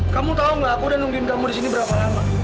kalo gak aku udah nungguin kamu disini berapa lama